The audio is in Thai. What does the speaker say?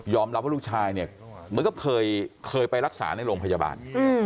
รับว่าลูกชายเนี่ยเหมือนกับเคยไปรักษาในโรงพยาบาล